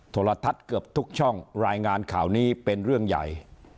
โทรทัศน์เกือบทุกช่องรายงานข่าวนี้เป็นเรื่องใหญ่